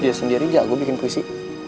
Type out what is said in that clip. dia sendiri jago bikin puisi